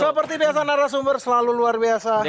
seperti biasa narasumber selalu luar biasa